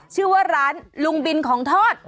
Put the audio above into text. ชื่อว่าร้านลุงบินของทอด